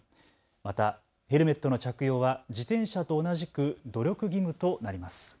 またヘルメットの着用は自転車と同じく努力義務となります。